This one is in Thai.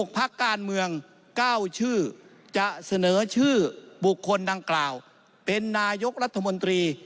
พักการเมือง๙ชื่อจะเสนอชื่อบุคคลดังกล่าวเป็นนายกรัฐมนตรี